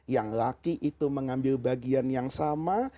yang laki itu mengambil bagian yang sama